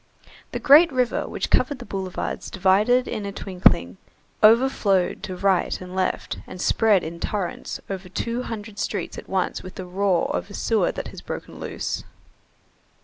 The great river which covered the boulevards divided in a twinkling, overflowed to right and left, and spread in torrents over two hundred streets at once with the roar of a sewer that has broken loose.